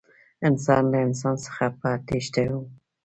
انسان له انسان څخه په تېښته و.